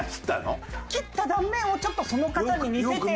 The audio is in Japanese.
切った断面をちょっとその方に似せて。